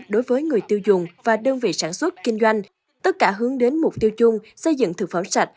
đối với người tiêu dùng và đơn vị sản xuất kinh doanh tất cả hướng đến mục tiêu chung xây dựng thực phẩm sạch